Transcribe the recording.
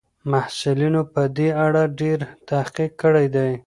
محصلینو په دې اړه ډېر تحقیق کړی دی.